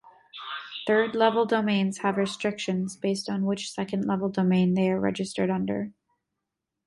Third-level domains have restrictions based on which second-level domain they are registered under.